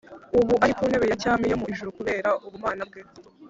” (ubu ari ku ntebe ya cyami yo mu ijuru kubera ubumana bwe,